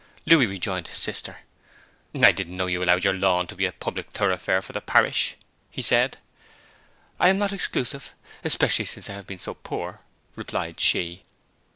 Louis rejoined his sister. 'I didn't know you allowed your lawn to be a public thoroughfare for the parish,' he said. 'I am not exclusive, especially since I have been so poor,' replied she.